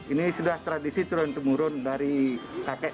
ini sudah tradisi turun temurun dari kakek